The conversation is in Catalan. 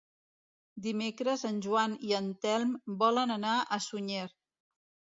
Dimecres en Joan i en Telm volen anar a Sunyer.